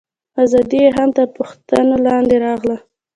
ازادي یې هم تر پوښتنې لاندې راغله.